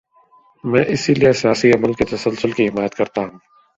میں اسی لیے سیاسی عمل کے تسلسل کی حمایت کرتا ہوں۔